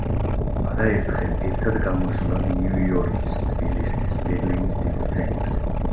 არაერთხელ ერთად გამოსულან ნიუ-იორკის, თბილისის, ბერლინის დიდ სცენებზე.